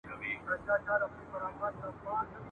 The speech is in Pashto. هغه خوب مي ریشتیا کیږي چي تعبیر مي اورېدلی !.